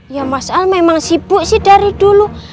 ya mas al memang sibuk sih dari dulu